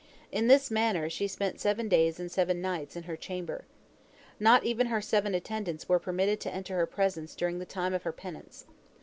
In this manner she spent seven days and seven nights in her chamber. Not even her seven attendants were permitted to enter her presence during the time of her penance.